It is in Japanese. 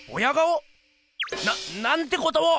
⁉なっなんてことを！